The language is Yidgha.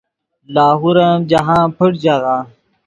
لاہور ام جاہند پݯ ژاغہ